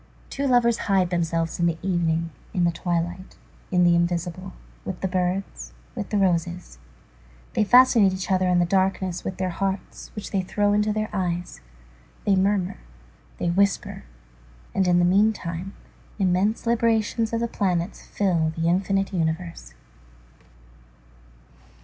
Two lovers hide themselves in the evening, in the twilight, in the invisible, with the birds, with the roses; they fascinate each other in the darkness with their hearts which they throw into their eyes, they murmur, they whisper, and in the meantime, immense librations of the planets fill the infinite universe.